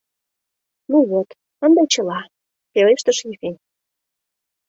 — Ну вот, ынде чыла, — пелештыш Ефим.